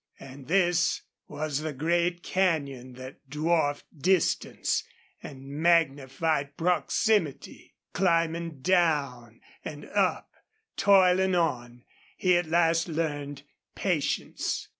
And this was the great canyon that dwarfed distance and magnified proximity. Climbing down and up, toiling on, he at last learned patience.